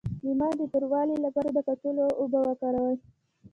د مخ د توروالي لپاره د کچالو اوبه وکاروئ